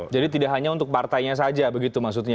jadi tidak hanya untuk partainya saja begitu maksudnya